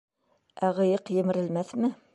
— Ә ҡыйыҡ емерелмәҫме?